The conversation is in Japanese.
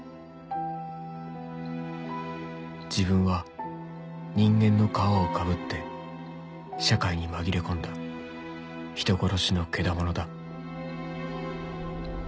「自分は人間の皮を被って社会に紛れ込んだ人殺しのケダモノだ」